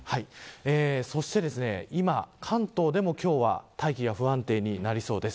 そして今、関東でも今日は大気が不安定になりそうです。